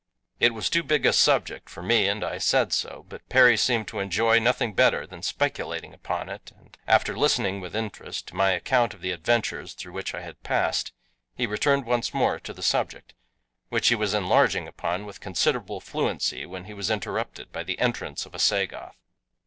It was too big a subject for me, and I said so, but Perry seemed to enjoy nothing better than speculating upon it, and after listening with interest to my account of the adventures through which I had passed he returned once more to the subject, which he was enlarging upon with considerable fluency when he was interrupted by the entrance of a Sagoth.